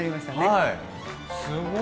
はい。